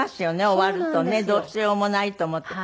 終わるとねどうしようもないと思って。